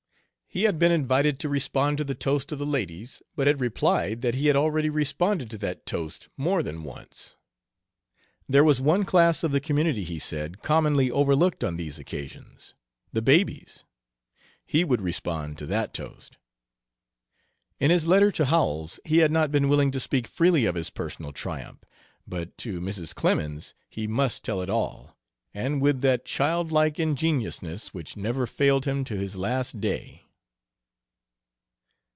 He had been invited to respond to the toast of "The Ladies," but had replied that he had already responded to that toast more than once. There was one class of the community, he said, commonly overlooked on these occasions the babies he would respond to that toast. In his letter to Howells he had not been willing to speak freely of his personal triumph, but to Mrs. Clemens he must tell it all, and with that child like ingenuousness which never failed him to his last day.